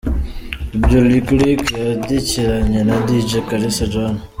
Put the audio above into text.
Ibyo Lick Lick yandikiranye na Dj-kalisa John.